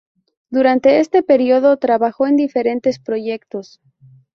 Durante este periodo trabajó en diferentes proyectos.